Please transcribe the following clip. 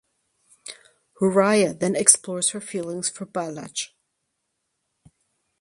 Hooriya then explores her feelings for Balaj.